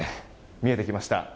見えてきました。